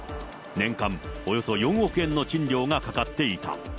年間およそ４億円の賃料がかかっていた。